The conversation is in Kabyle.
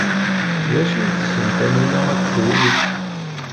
D acu ay tessen Taninna ad t-teg?